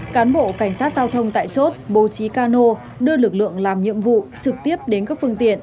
cán bộ cảnh sát giao thông tại chốt bố trí cano đưa lực lượng làm nhiệm vụ trực tiếp đến các phương tiện